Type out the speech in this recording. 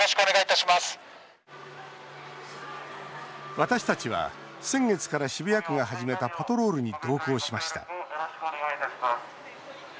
私たちは先月から渋谷区が始めたパトロールに同行しました。